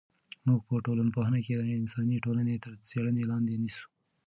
موږ په ټولنپوهنه کې انساني ټولنې تر څېړنې لاندې نیسو.